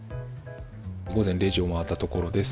午前０時を回ったところです。